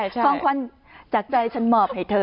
ทองควันจากใจฉันหมอบให้เธอ